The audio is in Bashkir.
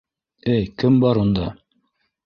Эй, кем бар унда?!